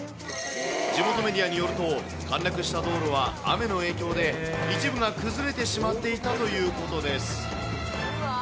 地元メディアによると、陥落した道路は雨の影響で、一部が崩れてしまっていたということです。